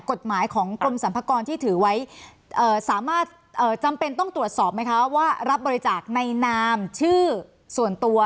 กฎหมายของกรมสรรพากรที่ถือไว้สามารถจำเป็นต้องตรวจสอบไหมคะว่ารับบริจาคในนามชื่อส่วนตัว